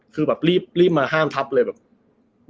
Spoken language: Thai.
คือแบบรีบมาห้ามทับเลยแบบ